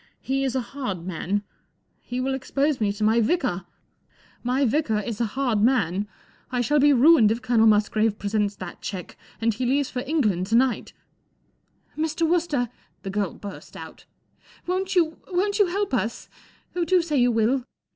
He is a hard man. He will expose me to my vic ah. My vic ah is a hard man. I shall be ruined if Colonel Musgrave presents that cheque, and he leaves for England to night," • 4 Mr. Wooster," the girl burst out, 44 won't you, won't you help ,us ? Oh, do say you will.